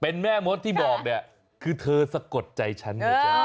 เป็นแม่มดที่บอกเนี่ยคือเธอสะกดใจฉันนะจ๊ะ